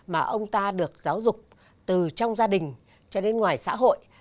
mà ông ta được giáo dục từ trong gia đình cho đến ngoài xã hội